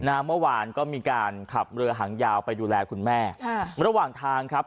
เมื่อวานก็มีการขับเรือหางยาวไปดูแลคุณแม่ค่ะระหว่างทางครับ